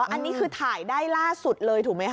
อันนี้คือถ่ายได้ล่าสุดเลยถูกไหมคะ